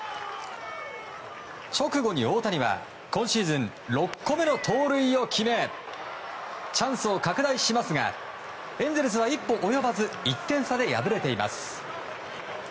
直後に大谷は今シーズン６個目の盗塁を決めチャンスを拡大しますがエンゼルスは一歩及ばず１点差で敗れています。